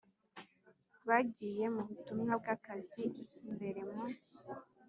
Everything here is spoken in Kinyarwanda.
bagiye mu butumwa bw akazi imbere mu